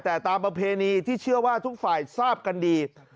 แต่ตามประเพณีที่เชื่อว่าทุกฝ่ายทราบกันดี